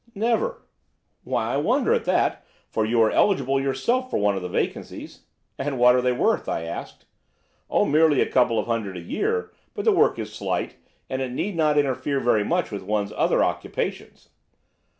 "'Never.' "'Why, I wonder at that, for you are eligible yourself for one of the vacancies.' "'And what are they worth?' I asked. "'Oh, merely a couple of hundred a year, but the work is slight, and it need not interfere very much with one's other occupations.